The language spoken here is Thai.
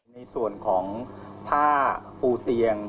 ในส่วนของผ้าปูเตียง